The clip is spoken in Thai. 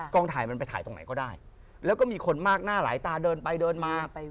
ถ่ายมันไปถ่ายตรงไหนก็ได้แล้วก็มีคนมากหน้าหลายตาเดินไปเดินมา